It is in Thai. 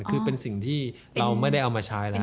คือเป็นสิ่งที่เราไม่ได้เอามาใช้แล้ว